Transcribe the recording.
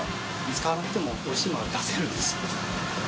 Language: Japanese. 使わなくてもおいしいものは出せるんですよ。